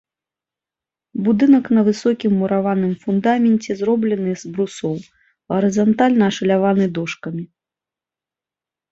Будынак на высокім мураваным фундаменце, зроблены з брусоў, гарызантальна ашаляваны дошкамі.